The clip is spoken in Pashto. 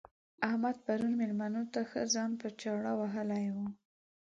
احمد پرون مېلمنو ته ښه ځان په چاړه وهلی وو.